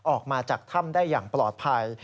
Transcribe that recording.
ออกมาจากถ้ำได้อย่างปลอดภัย